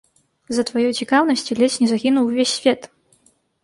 З-за тваёй цікаўнасці ледзь не загінуў увесь свет.